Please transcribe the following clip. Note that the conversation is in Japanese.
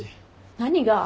何が？